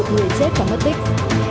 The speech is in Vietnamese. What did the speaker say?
một mươi một người chết và mất tích